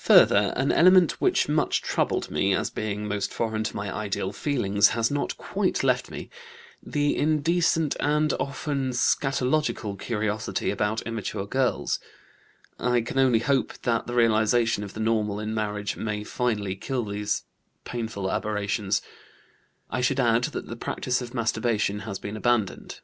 Further, an element which much troubled me, as being most foreign to my ideal feelings, has not quite left me the indecent and often scatologic curiosity about immature girls. I can only hope that the realization of the normal in marriage may finally kill these painful aberrations. I should add that the practice of masturbation has been abandoned."